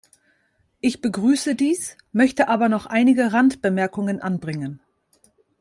Ich begrüße dies, möchte aber noch einige Randbemerkungen anbringen.